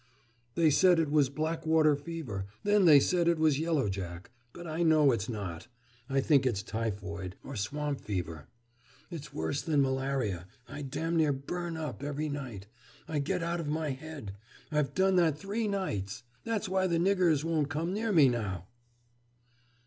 "They said it was black water fever. Then they said it was yellow jack. But I know it's not. I think it's typhoid, or swamp fever. It's worse than malaria. I dam' near burn up every night. I get out of my head. I've done that three nights. That's why the niggers won't come near me now!"